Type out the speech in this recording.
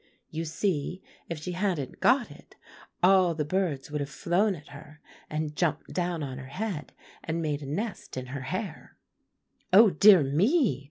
You see, if she hadn't got it, all the birds would have flown at her, and jumped down on her head, and made a nest in her hair." "Oh, dear me!"